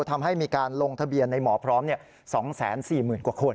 ทำให้มีการลงทะเบียนในหมอพร้อม๒๔๐๐๐กว่าคน